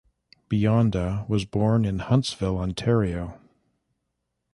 Bionda was born in Huntsville, Ontario.